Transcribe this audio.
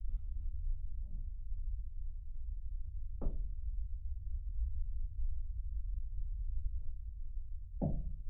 Удары і рыўкі памяншае вупражнае прыстасаванне з паглынальнай прыладай.